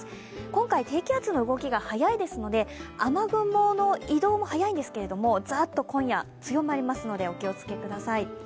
今回低気圧の動きが速いですので雨雲の移動も速いんですけれども、ザッと今夜強まりますので、お気をつけください。